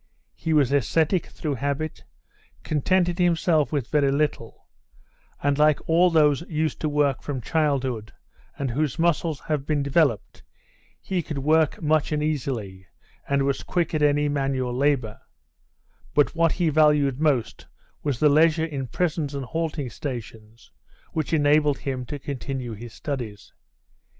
He was ascetic through habit, contented himself with very little, and, like all those used to work from childhood and whose muscles have been developed, he could work much and easily, and was quick at any manual labour; but what he valued most was the leisure in prisons and halting stations, which enabled him to continue his studies.